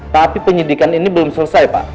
tapi penyidikan ini belum selesai pak